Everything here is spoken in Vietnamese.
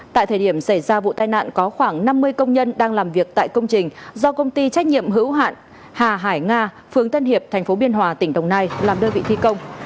tại thời điểm xảy ra vụ tai nạn có khoảng năm mươi công nhân đang làm việc tại công trình do công ty trách nhiệm hữu hạn hà hải nga phường tân hiệp tp biên hòa tỉnh đồng nai làm đơn vị thi công